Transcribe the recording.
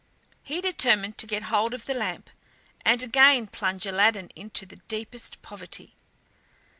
He determined to get hold of the lamp, and again plunge Aladdin into the deepest poverty.